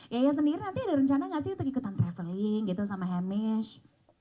yaya sendiri nanti ada rencana nggak sih untuk ikutan traveling gitu sama hemish